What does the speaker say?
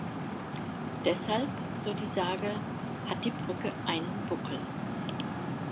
Deshalb, so die Sage, hat die Brücke einen Buckel.